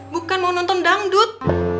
bukan mau nonton dangdut